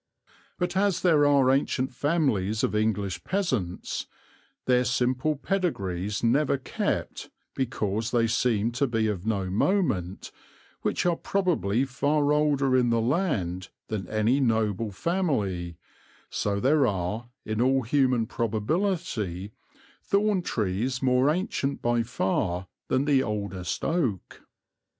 But as there are ancient families of English peasants, their simple pedigrees never kept because they seemed to be of no moment, which are probably far older in the land than any noble family, so there are, in all human probability, thorn trees more ancient by far than the oldest oak.